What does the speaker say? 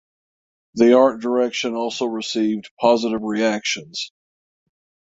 The art direction also received positive reactions.